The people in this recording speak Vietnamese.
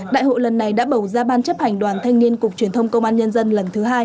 đại hội lần này đã bầu ra ban chấp hành đoàn thanh niên cục truyền thông công an nhân dân lần thứ hai